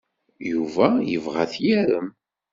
Yuba yebɣa ad t-yarem.